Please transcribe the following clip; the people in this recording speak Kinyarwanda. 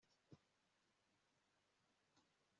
ucuditse n'umwirasi, ahinduka nka we